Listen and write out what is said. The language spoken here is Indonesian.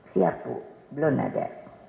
siap bu belum ada